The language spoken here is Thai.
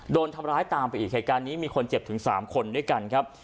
โดนทำร้ายตามไปอีกเหตุการณ์นี้มีคนเจ็บถึง๓คนด้วยกันครับ